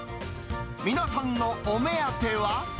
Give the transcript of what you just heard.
皆さんのお目当ては。